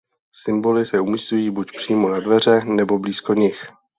Symboly se umísťují buď přímo na dveře nebo blízko nich.